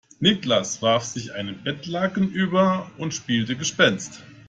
Niklas warf sich ein Bettlaken über und spielte Gespenst.